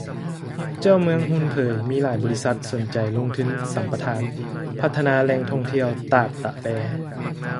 ເຈົ້າເມືອງຮຸນເຜີຍ ມີຫລາຍບໍລິສັດ ສົນໃຈລົງທຶນສຳປະທານ ພັດທະນາແຫລ່ງທ່ອງທ່ຽວຕາດຕະແລ